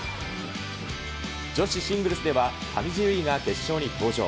女子シングルスでは、上地結衣が決勝に登場。